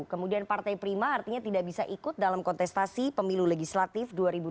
kemudian partai prima artinya tidak bisa ikut dalam kontestasi pemilu legislatif dua ribu dua puluh